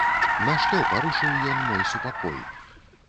Нашто парушыў ён мой супакой?